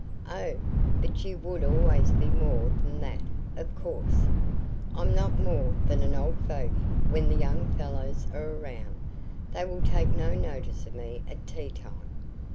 "Oh, but you would always be more than that, of course." "I'm not more than an old fogey when the young fellows are around. They will take no notice of me at tea time.